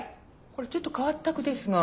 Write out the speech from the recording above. これちょっと変わった句ですが。